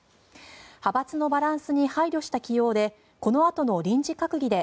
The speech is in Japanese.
派閥のバランスに配慮した起用でこのあとの臨時閣議で